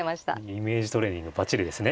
イメージトレーニングばっちりですね。